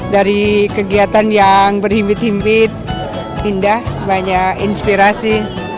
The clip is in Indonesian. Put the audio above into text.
dari kegiatan yang berhimpit himpit indah banyak inspirasi